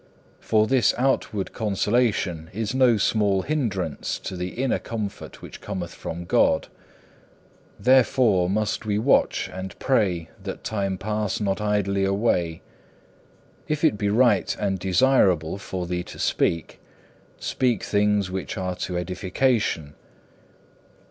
For this outward consolation is no small hindrance to the inner comfort which cometh from God. Therefore must we watch and pray that time pass not idly away. If it be right and desirable for thee to speak, speak things which are to edification.